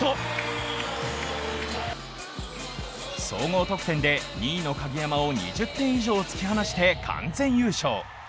総合得点で、２位の鍵山を２０点以上突き放して完全優勝。